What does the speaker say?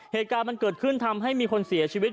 เหตุการณ์มันเกิดขึ้นทำให้มีคนเสียชีวิต